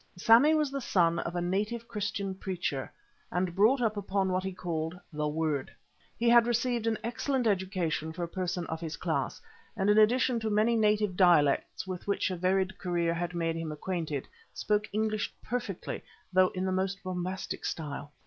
Sammy was the son of a native Christian preacher, and brought up upon what he called "The Word." He had received an excellent education for a person of his class, and in addition to many native dialects with which a varied career had made him acquainted, spoke English perfectly, though in the most bombastic style.